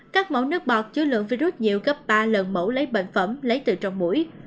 các mẫu nước bọt chứa lượng virus nhiều gấp ba lần mẫu lấy bệnh phẩm lấy từ trong mũi